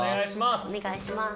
おねがいします。